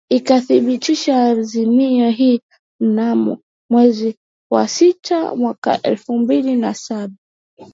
ikathibitisha azimio hili mnamo mwezi wa sita mwaka elfu mbili na saba